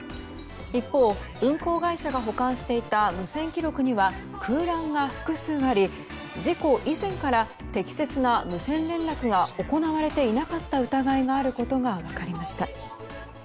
一方、運航会社が保管していた無線記録には空欄が複数あり事故以前から適切な無線連絡が行われていなかった疑いがあることが分かりました。